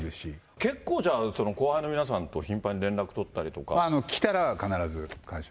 結構じゃあ、後輩の皆さんと頻繁に連絡取ったりとか。